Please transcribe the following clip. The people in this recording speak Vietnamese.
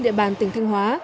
địa bàn tỉnh thanh hóa